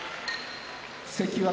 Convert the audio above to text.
関脇